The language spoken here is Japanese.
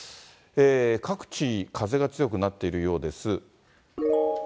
各地、風が強くなっているようです。